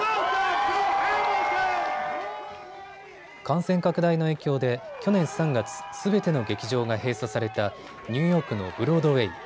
感染拡大の影響で去年３月、すべての劇場が閉鎖されたニューヨークのブロードウェイ。